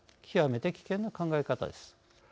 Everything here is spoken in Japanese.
極めて危険な考え方です。